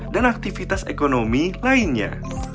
aktivitas ekonomi lainnya